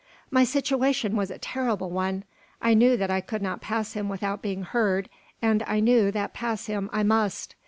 My situation was a terrible one. I knew that I could not pass him without being heard, and I knew that pass him I must.